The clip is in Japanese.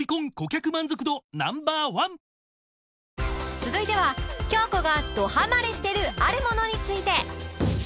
続いては京子がどハマりしてるあるものについて